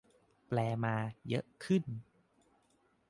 แปลมา เยอะขึ้น